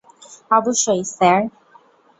অবশ্যই, স্যার।